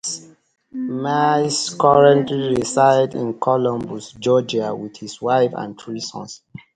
Mize currently resides in Columbus, Georgia with his wife and three sons.